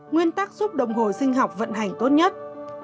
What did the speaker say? nguyên tắc giúp đồng hồ sinh học vận hành tốt nhất